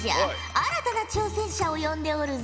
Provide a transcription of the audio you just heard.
新たな挑戦者を呼んでおるぞ。